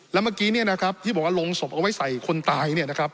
แล้วเมื่อกี้เนี่ยนะครับที่บอกว่าลงศพเอาไว้ใส่คนตายเนี่ยนะครับ